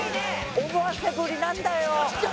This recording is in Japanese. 思わせぶりなんだよ！